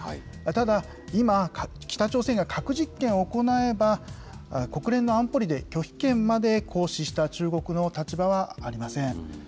ただ、今、北朝鮮が核実験を行えば、国連の安保理で拒否権まで行使した中国の立場はありません。